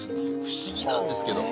不思議なんですけど。